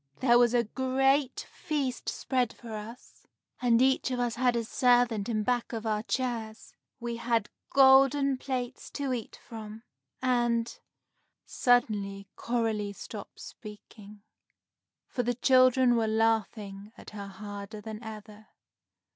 There was a great feast spread for us, and each of us had a servant in back of our chairs. We had golden plates to eat from, and " Suddenly Coralie stopped speaking, for the children were laughing at her harder than ever.